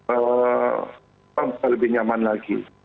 apa bisa lebih nyaman lagi